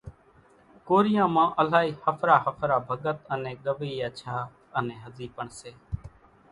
ڪوريان مان الائِي ۿڦرا ۿڦرا ڀڳت انين ڳوَيا ڇا انين هزِي پڻ سي۔